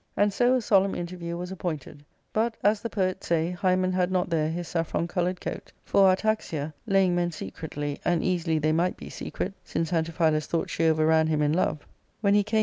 And so a solemn interview was appointed. But, as the poets say, Hymen had not there his saffron coloured coat ; for Artaxia, laying men secretly— and easily they might be secret, since Antiphilus thought she overran him in love — when he came ARCADIA.